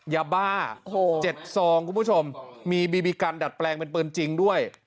ยาบ้า๗ซองคุณผู้ชมมีบีบีกันดัดแปลงเป็นปืนจริงด้วย